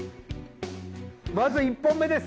まず１本目です。